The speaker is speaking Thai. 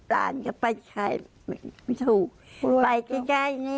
ร้านก็ไปขายไม่ถูก